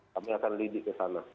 kami akan lidik ke sana